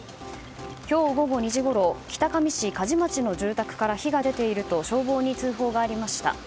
今日午後２時ごろ北上市鍛冶町の住宅から火が出ていると消防に通報がありました。